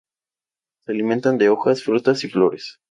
Se alimentan de hojas, frutas y flores.